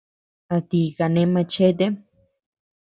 ¿A ti kane machetem?